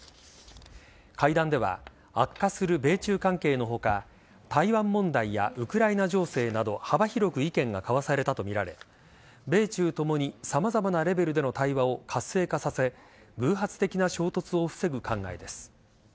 会談では悪化する米中関係の他台湾問題やウクライナ情勢など幅広く意見が交わされたとみられ米中ともに様々なレベルでの対話を活性化させ偶発的な衝突を防ぐ考えです。